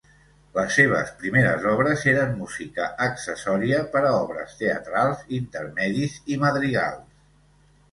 Les seves primeres obres eren música accessòria per a obres teatrals, intermedis i madrigals.